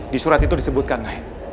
di surat itu disebutkan